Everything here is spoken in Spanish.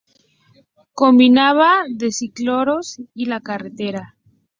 Combinaba el Ciclocross y la carretera.